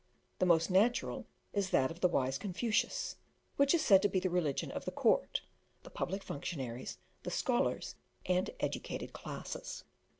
The most natural is that of the wise Confucius, which is said to be the religion of the court, the public functionaries, the scholars, and educated classes.